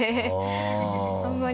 あんまり。